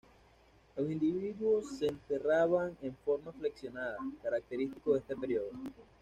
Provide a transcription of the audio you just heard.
Los individuos se enterraban en forma flexionada, característico de este periodo.